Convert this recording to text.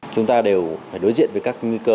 chúng ta đều phải đối diện với các nguy cơ